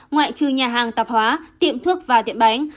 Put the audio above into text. ngoại trừ nhà hàng tạp hóa tiệm thuốc và tiệm bánh